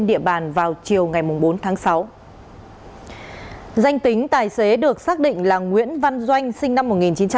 danh tính tài xế được xác định là nguyễn văn doanh sinh năm một nghìn chín trăm chín mươi ba